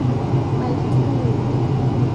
ไปที่อื่น